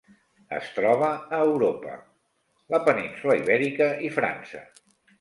Es troba a Europa: la península Ibèrica i França.